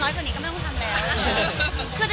มันเหมือนกับมันเหมือนกับมันเหมือนกับ